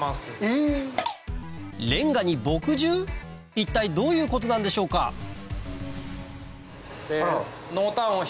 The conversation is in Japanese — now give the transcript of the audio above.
一体どういうことなんでしょうか？とただ。